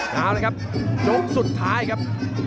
แล้วนะครับจบสุดท้ายครับ